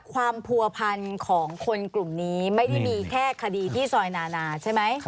ความผัวพันของคนกลุ่มนี้ไม่ได้มีแค่คดีที่ซอยนานาใช่ไหม